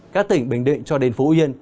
các tỉnh bình định cho đến phú yên